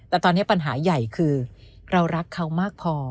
แต่ตอนนี้ปัญหาใหญ่คือเรารักเขามากพอ